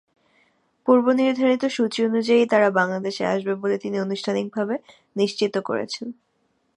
পূর্বনির্ধারিত সূচি অনুযায়ীই তারা বাংলাদেশে আসবে বলে তিনি আনুষ্ঠানিকভাবে নিশ্চিত করেছেন।